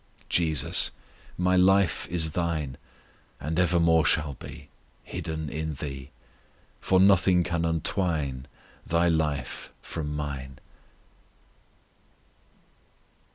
JESUS, my life is Thine! And evermore shall be Hidden in Thee. For nothing can untwine Thy life from mine.